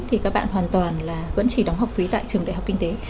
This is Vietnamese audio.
thì các bạn hoàn toàn là vẫn chỉ đóng học phí tại trường đại học kinh tế